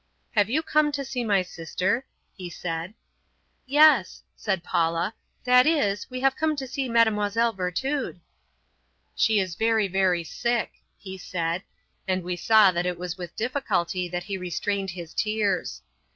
"Have you come to see my sister?" he said. "Yes," said Paula, "that is, we have come to see Mademoiselle Virtud." "She is very, very sick," he said, and we saw that it was with difficulty that he restrained his tears.